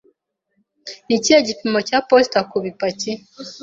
Ni ikihe gipimo cya posita kubipaki?